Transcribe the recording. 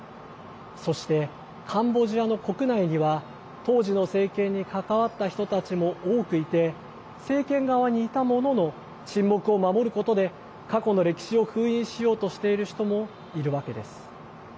そして、カンボジアの国内には当時の政権に関わった人たちも多くいて政権側にいたものの沈黙を守ることで過去の歴史を封印しようとしている人もいるわけです。